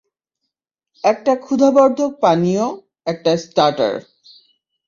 একটা ক্ষুধাবর্ধক পানীয়, একটা স্টার্টার।